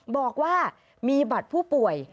บอกว่ามีบัตรผู้ป่วย